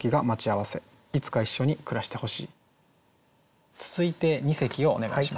続いて二席をお願いします。